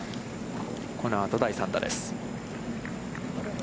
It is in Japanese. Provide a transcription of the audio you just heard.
このあと第３打です。